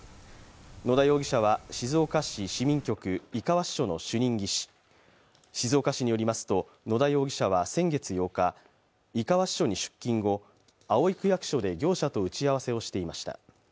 野田容疑者は静岡市市民局井川支所の主任技師、静岡市によりますと、野田容疑者は先月８日井川支所に出勤後、葵区役所で業者と打ち合わせをしていました。